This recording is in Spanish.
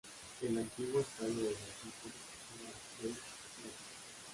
El antiguo estadio del equipo era "Baseball Ground".